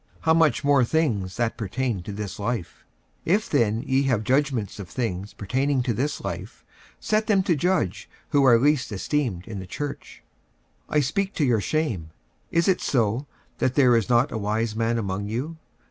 how much more things that pertain to this life? 46:006:004 If then ye have judgments of things pertaining to this life, set them to judge who are least esteemed in the church. 46:006:005 I speak to your shame. Is it so, that there is not a wise man among you?